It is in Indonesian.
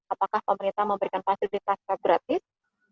apakah pemerintah memberikan fasilitas swab gratis